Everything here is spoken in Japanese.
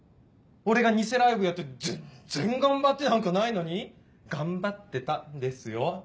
俺が偽ライブやって全然頑張ってなんかないのに「がんばってた」ですよ。